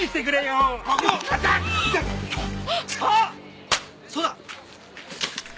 あっそうだ！